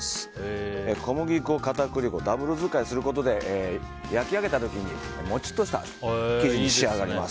小麦粉、片栗粉ダブル使いすることで焼き上げた時にモチッとした生地に仕上がります。